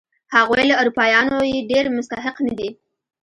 هغوی له اروپایانو یې ډېر مستحق نه دي.